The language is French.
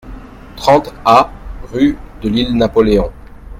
trente A rue de l'Île Napoléon